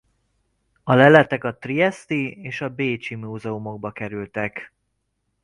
A leletek a trieszti és bécsi múzeumokba kerültek.